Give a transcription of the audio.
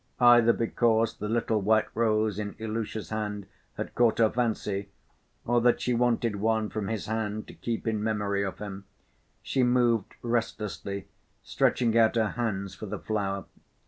Either because the little white rose in Ilusha's hand had caught her fancy or that she wanted one from his hand to keep in memory of him, she moved restlessly, stretching out her hands for the flower.